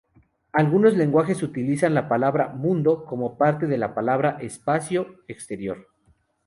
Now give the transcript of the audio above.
Algunos lenguajes utilizan la palabra "mundo" como parte de la palabra "espacio exterior".